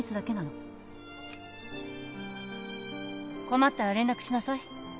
困ったら連絡しなさい。